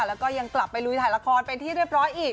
แล้วก็ยังกลับไปลุยถ่ายละครเป็นที่เรียบร้อยอีก